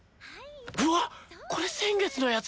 うわっこれ先月のやつだ。